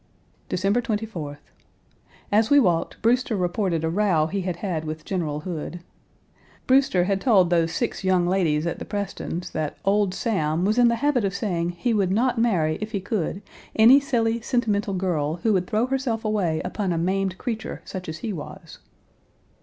Page 267 December 24th. As we walked, Brewster reported a row he had had with General Hood. Brewster had told those six young ladies at the Prestons' that "old Sam" was in the habit of saying he would not marry if he could any silly, sentimental girl, who would throw herself away upon a maimed creature such as he was.